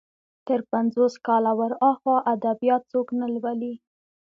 تر پنځوس کاله ور اخوا ادبيات څوک نه لولي.